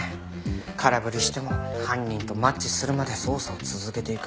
空振りしても犯人とマッチするまで捜査を続けていく。